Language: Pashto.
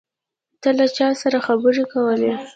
ته له چا سره خبرې کولې؟